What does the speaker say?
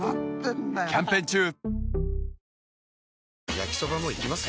焼きソバもいきます？